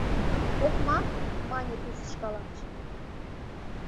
«Окмак! — мане Туз шкаланже.